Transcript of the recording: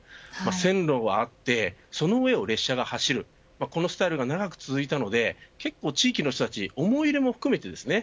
線路はあってその上を列車が走るこのスタイルが長く続いたのでけっこう地域の人たち思い入れも含めてですね